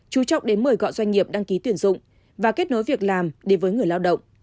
chú trọng đến mời gọi doanh nghiệp đăng ký tuyển dụng và kết nối việc làm đến với người lao động